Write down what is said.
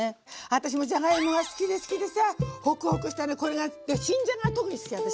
私もじゃがいもが好きで好きでさぁホクホクして新じゃがが特に好き私は。